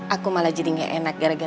aku malah jadi gak enak gara gara